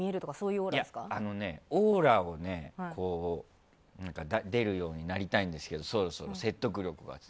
いや、オーラが出るようになりたいんですけどそろそろ説得力とか。